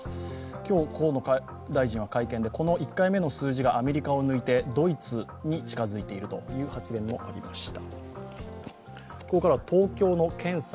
今日、河野大臣は会見でこの１回目の数字がアメリカを抜いてドイツに近づいているという発言もありました。